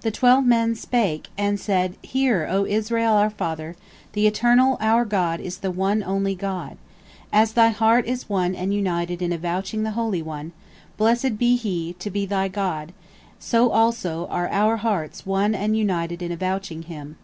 The twelve men spake, and said: "Hear, O Israel, our father, the Eternal our God is the One Only God. As thy heart is one and united in avouching the Holy One, blessed be He, to be thy God, so also are our hearts one and united in avouching Him."